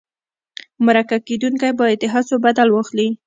مرکه کېدونکی باید د هڅو بدل واخلي.